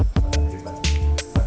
pak jago catan